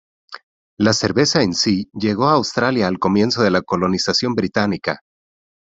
La cerveza en sí llegó a Australia al comienzo de la colonización británica.